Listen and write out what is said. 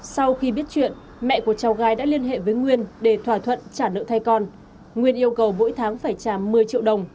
sau khi biết chuyện mẹ của cháu gái đã liên hệ với nguyên để thỏa thuận trả nợ thay con nguyên yêu cầu mỗi tháng phải trả một mươi triệu đồng